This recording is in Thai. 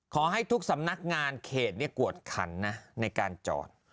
ขอให้ทุกสำนักงานเขตกวดขันนะในการจอด